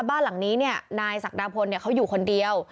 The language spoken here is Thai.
บ้านหลังนี้นายศักดาพลเขาอยู่คนเดียว